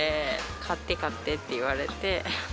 買って買ってって言われて。